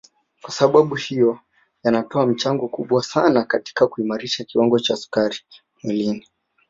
Kwasababu hiyo yanatoa mchango mkubwa sana katika kuimarisha kiwango cha sukari mwilini